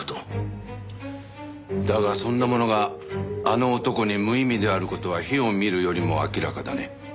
だがそんなものがあの男に無意味である事は火を見るよりも明らかだね。